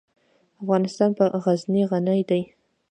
افغانستان په غزني غني دی.